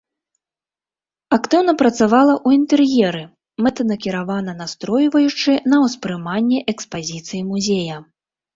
Актыўна працавала ў інтэр'еры, мэтанакіравана настройваючы на ўспрыманне экспазіцыі музея.